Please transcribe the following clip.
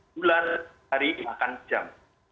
bulan hari dan jam